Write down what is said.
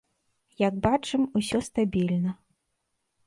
Як бачым, усё стабільна.